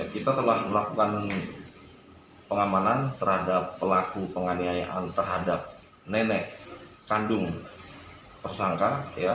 kita telah melakukan pengamanan terhadap pelaku penganiayaan terhadap nenek kandung tersangka